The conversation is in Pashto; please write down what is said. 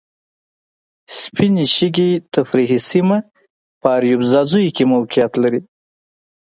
سپینې شګې تفریحي سیمه په اریوب ځاځیو کې موقیعت لري.